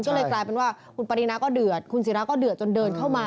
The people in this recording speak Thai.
ก็เลยกลายเป็นว่าคุณปรินาก็เดือดคุณศิราก็เดือดจนเดินเข้ามา